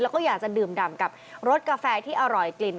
แล้วก็อยากจะดื่มดำกับรสกาแฟที่อร่อยกลิ่น